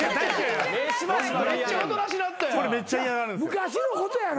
昔のことやろ？